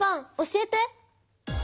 教えて！